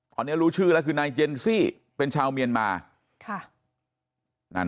ตอนนี้รู้ชื่อแล้วคือนายเจนซี่เป็นชาวเมียนมาค่ะนั่น